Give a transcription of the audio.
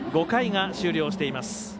５回が終了しています。